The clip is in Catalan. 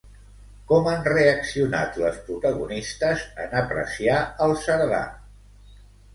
Com han reaccionat les protagonistes en apreciar al Cerdà?